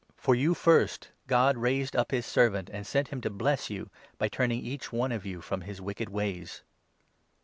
219 For you, first, God raised up his Servant, and sent him to bless 26 you, by turning each one of you from his wicked ways."